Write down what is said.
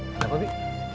neng ada apa bi